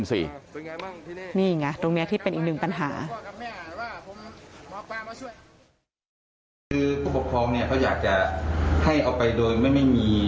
นี่ไงตรงนี้ที่เป็นอีกหนึ่งปัญหา